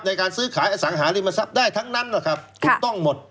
ในการซื้อขายอสังหาริมทรัพย์ได้ทั้งนั้นนะครับถูกต้องหมด